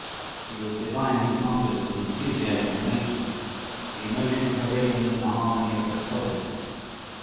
He was divinely conscious of the enthusiasm of Nature, the emotion of her rhythms and the harmony of her solitude.